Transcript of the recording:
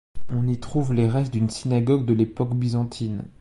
On y trouve les restes d'une synagogue de l'époque byzantine.